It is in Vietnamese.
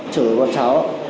chửi bọn cháu